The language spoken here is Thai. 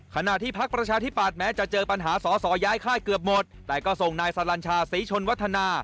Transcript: ขณะที่พักประชาธิบัตย์แม้จะเจอปัญหาสอสอย้ายค่ายเกือบหมดแต่ก็ส่งนายสลัญชาศรีชนวัฒนา